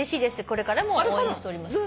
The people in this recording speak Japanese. これからも応援しております」